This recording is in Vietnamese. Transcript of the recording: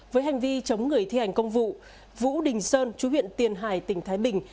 với hành vi chống người thi hành công vụ vũ đình sơn chú huyện tiền hải tỉnh thái bình